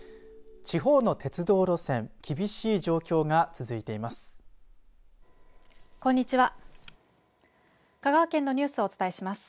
地方の鉄道路線厳しい状況が続いています。